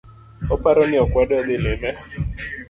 Oparo ni ok wadwa dhi lime